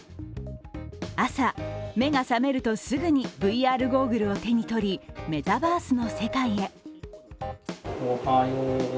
朝、目が覚めると、すぐにＶＲゴーグルを手に取りメタバースの世界へ。